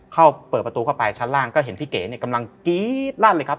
เปิดประตูเข้าไปชั้นล่างก็เห็นพี่เก๋เนี่ยกำลังกรี๊ดลั่นเลยครับ